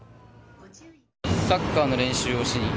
サッカーの練習をしに。